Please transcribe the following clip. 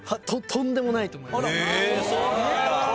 えそうなんだ。